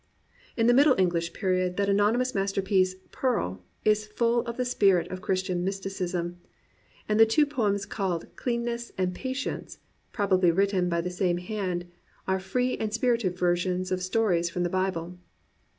In the Middle English period, that anonymous 16 THE BOOK OF BOOKS masterpiece "Pearl" is full of the spirit of Christian mysticism, and the two poems called "Cleanness" and "Patience," probably written by the same hand, are free and spirited versions of stories from the Bible.